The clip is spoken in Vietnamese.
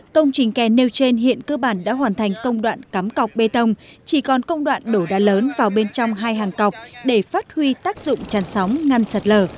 công trình kè nêu trên hiện cơ bản đã hoàn thành công đoạn cắm cọc bê tông chỉ còn công đoạn đổ đá lớn vào bên trong hai hàng cọc để phát huy tác dụng chăn sóng ngăn sạt lở